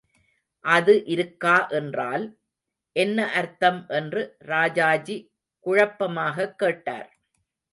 அது இருக்கா என்றால் என்ன அர்த்தம் என்று ராஜாஜி குழப்பமாகக் கேட்டார்.